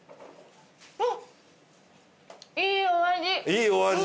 いいお味？